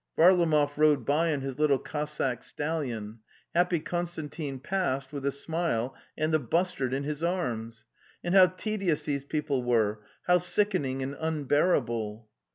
Varlamov rode by on his little Cossack stallion; happy Konstan tin passed, with a smile and the bustard in his arms. And how tedious these people were, how sickening and unbearable!